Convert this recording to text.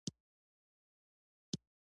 ازادي راډیو د چاپیریال ساتنه حالت په ډاګه کړی.